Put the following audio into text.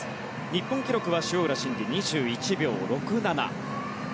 日本記録は塩浦慎理２１秒６７。